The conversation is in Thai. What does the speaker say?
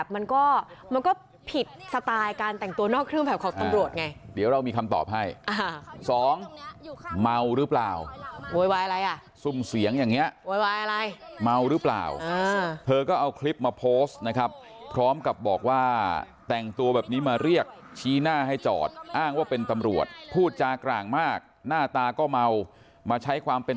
มันก็มันก็ผิดสไตล์การแต่งตัวนอกเครื่องแบบของตำรวจไงเดี๋ยวเรามีคำตอบให้สองเมาหรือเปล่าโวยวายอะไรอ่ะซุ่มเสียงอย่างนี้โวยวายอะไรเมาหรือเปล่าเธอก็เอาคลิปมาโพสต์นะครับพร้อมกับบอกว่าแต่งตัวแบบนี้มาเรียกชี้หน้าให้จอดอ้างว่าเป็นตำรวจพูดจากร่างมากหน้าตาก็เมามาใช้ความเป็น